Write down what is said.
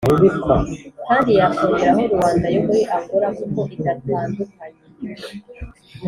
kandi yakongeraho luanda yo muri angola kuko idatandukanye